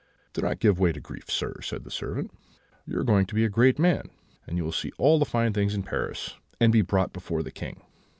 "'Do not give way to grief, sir,' said the servant; 'you are going to be a great man; you will see all the fine things in Paris, and be brought before the King.'